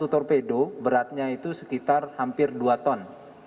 satu torpedo beratnya itu sekitar hampir dua ton